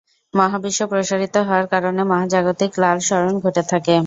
মহাবিশ্ব প্রসারিত হওয়ার কারণে মহাজাগতিক লাল সরণ ঘটে থাকে।